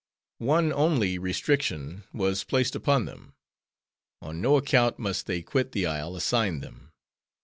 One only restriction was placed upon them: on no account must they quit the isle assigned them.